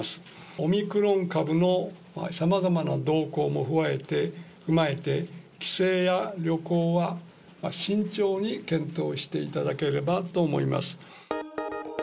オミクロン株のさまざまな動向も踏まえて、帰省や旅行は慎重に検討していただければと思います。